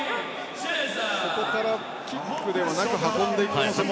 そこからキックではなく運んでいきますかね。